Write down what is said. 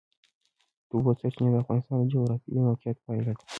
د اوبو سرچینې د افغانستان د جغرافیایي موقیعت پایله ده.